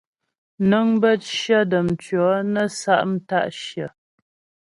Nəŋ bə́ cyə dəm tʉɔ̂ nə́ sa' mta'shyə̂.